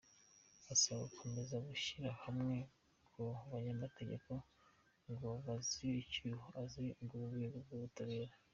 Asaba gukomeza gushyira hamwe ku banyamategeko ngo bazibe icyuho asize mu rwego rw’ubutabera.